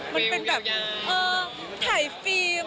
มันเป็นแบบถ่ายฟิล์ม